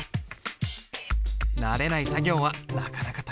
慣れない作業はなかなか大変だ。